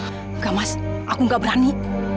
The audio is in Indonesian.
enggak mas aku gak berani